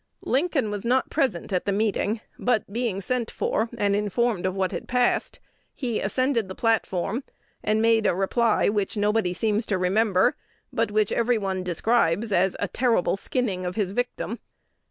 Lincoln was not present at the meeting; but being sent for, and informed of what had passed, he ascended the platform, and made a reply which nobody seems to remember, but which everybody describes as a "terrible skinning" of his victim.